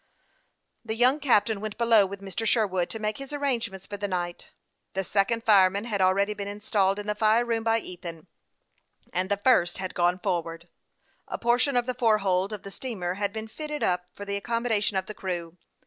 The young captain went below with Mr. Sherwood, to make his arrangements for the night. The second fireman had already been installed in the fire room by Ethan, and the first had gone forward. A portion of the fore hold of the steamer had been fitted up for the accommodation of the crew.